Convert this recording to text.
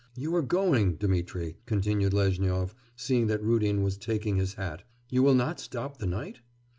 You are going, Dmitri,' continued Lezhnyov, seeing that Rudin was taking his hat 'You will not stop the night?